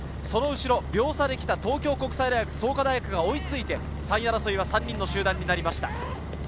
その後ろ、秒差で来た東京国際、創価大学が追いついて、３位争いは３人の集団になりました。